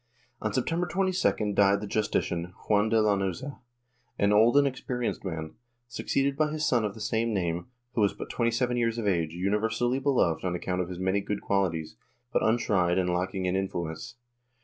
On September 22d died the Justicia, Juan de Lanuza, an old and experienced man, succeeded by his son of the same name, who was but 27 years of age, universally beloved on account of his many good qualities, but untried and lacking in influence.